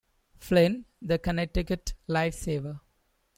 Flynn the Connecticut life-saver.